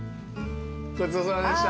ごちそうさまでした。